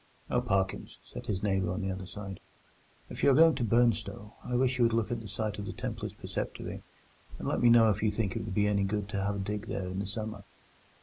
"Oh, Parkins," said his neighbour on the other side, "if you are going to Burnstow, I wish you would look at the site of the Templars' preceptory, and let me know if you think it would be any good to have a dig there in the summer."